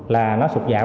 là nó sụt giảm